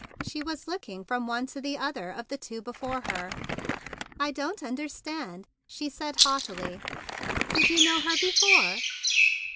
She was looking from one to the other of the two before her. "I don't understand!" she said haughtily. "Did you know her before?"